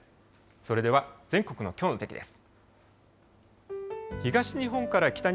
それでは全国のきょうの天気です。